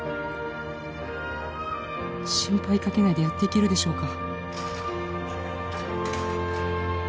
「心配かけないでやっていけるでしょうか？」